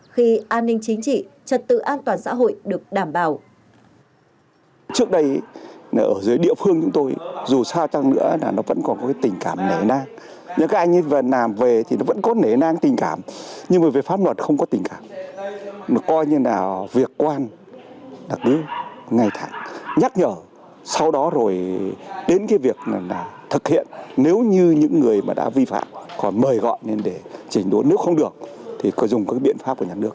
khi an ninh chính trị trật tự an toàn xã hội được đảm bảo